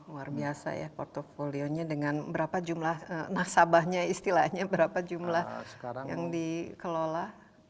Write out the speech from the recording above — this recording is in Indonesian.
luar biasa ya portfolionya dengan berapa jumlah nasabahnya istilahnya berapa jumlah yang dikelola